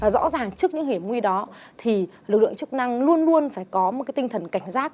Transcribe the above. rõ ràng trước những hiểm nguy đó thì lực lượng chức năng luôn luôn phải có một tinh thần cảnh giác